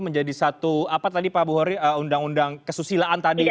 menjadi satu apa tadi pak buhori undang undang kesusilaan tadi